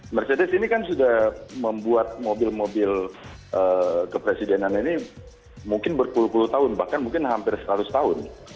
mercedes ini kan sudah membuat mobil mobil kepresidenan ini mungkin berpuluh puluh tahun bahkan mungkin hampir seratus tahun